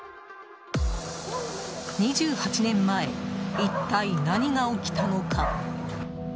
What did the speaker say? ２８年前、一体何が起きたのか？